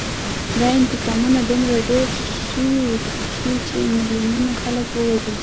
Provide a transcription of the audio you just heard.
دا انتقامونه دومره ډېر شي چې میلیونونه خلک ووژل شي